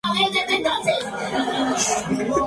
La granja había de convertirse en su refugio predilecto.